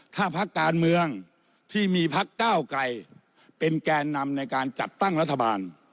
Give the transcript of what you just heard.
ถ้าพักการเมืองที่มีพักก้าวไกรเป็นแก่นำในการจัดตั้งรัฐบาล